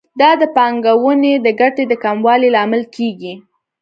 دا د پانګونې د ګټې د کموالي لامل کیږي.